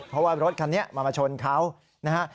เพราะว่ารถคันนี้มามาชนเขานะฮะ